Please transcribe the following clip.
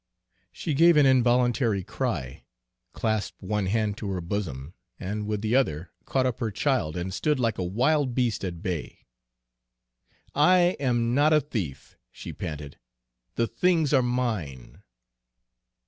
"She gave an involuntary cry, clasped one hand to her bosom and with the other caught up her child, and stood like a wild beast at bay. "'I am not a thief,' she panted. 'The things are mine!'